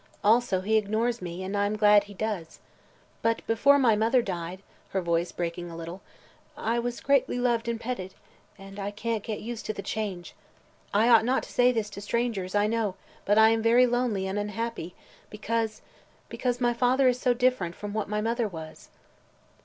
Also, he ignores me, and I am glad he does. But before my mother died," her voice breaking a little, "I was greatly loved and petted, and I can't get used to the change. I ought not to say this to strangers, I know, but I am very lonely and unhappy, because because my father is so different from what my mother was."